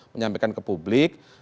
menyampaikan ke publik